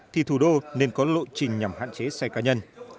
thì thủ đô nên có lộ trình nhằm hạn chế xe cá nhân